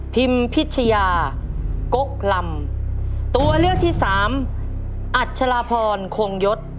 พิมพิชยาก๊อกลำตัวเลือกที่สามอัจฉราพรของยศ